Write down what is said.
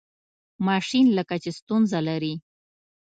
ماشین لکه چې ستونزه لري.